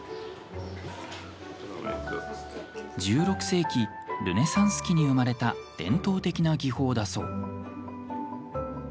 １６世紀、ルネサンス期に生まれた伝統的な技法だそう。